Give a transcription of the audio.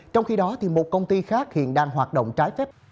trong khi đó một công ty khác hiện đang hoạt động trái phép